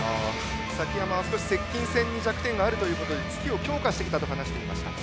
崎山は接近戦に弱点があるということで突きを強化してきたと話していました。